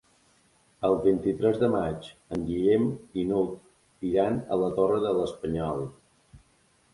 El vint-i-tres de maig en Guillem i n'Hug iran a la Torre de l'Espanyol.